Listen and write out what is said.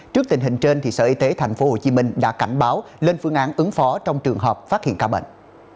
trước tình hình trên sở y tế tp hcm đã cảnh báo lên phương án ứng phó trong trường hợp phát hiện ca bệnh